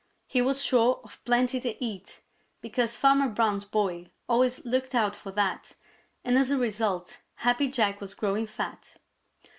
He was sure of plenty to eat, because Farmer Brown's boy always looked out for that, and as a result Happy Jack was growing fat.